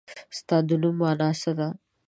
ستا د نوم مانا څه ده ؟